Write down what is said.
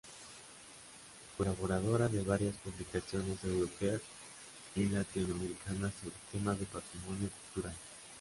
Colaboradora de varias publicaciones europeas y latinoamericanas sobre temas de patrimonio cultural.